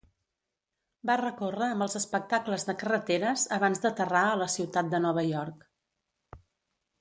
Va recórrer amb els espectacles de carreteres abans d'aterrar a la ciutat de Nova York.